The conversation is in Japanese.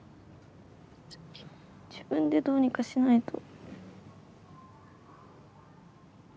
自分でどうにかしないと。